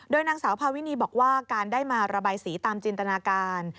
นางสาวพาวินีบอกว่าการได้มาระบายสีตามจินตนาการ